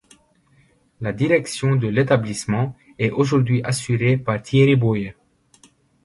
La direction de l’établissement est aujourd’hui assurée par Thierry Boyer.